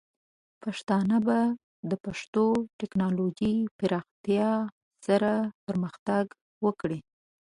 پښتانه به د پښتو د ټیکنالوجۍ پراختیا سره پرمختګ وکړي.